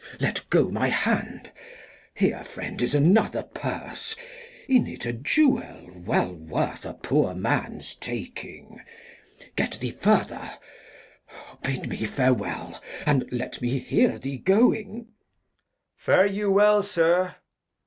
Glost. Let go my Hand ; Here, Friend, is another Purse, in it a Jewel Well worth a poor Man's Taking ; get thee farther, Bid me farewel, and let me hear thee going. Edg. Fare you well, Sir.